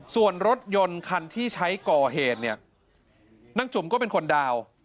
ส่วนรถยนต์คันที่ใช้ก่อเหตุเนี่ยนางจุ่มก็เป็นคนดาว